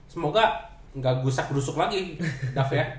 semoga gak gusak grusuk lagi dava ya